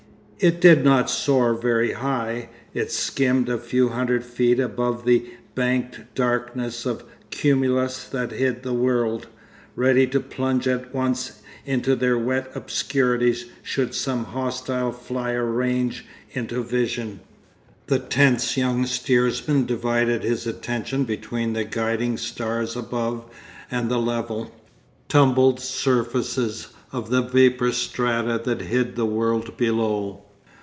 It did not soar very high; it skimmed a few hundred feet above the banked darknesses of cumulus that hid the world, ready to plunge at once into their wet obscurities should some hostile flier range into vision. The tense young steersman divided his attention between the guiding stars above and the level, tumbled surfaces of the vapour strata that hid the world below.